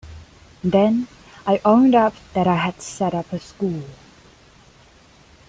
Then I owned up that I had set up a school.